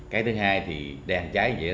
cái thứ hai thì đèn cháy vậy